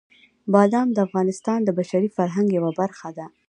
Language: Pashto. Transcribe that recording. بادام د افغانستان د بشري فرهنګ یوه برخه ده.